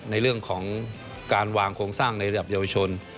ในเรื่องของการวางโครงสร้างในระดับเยาวชน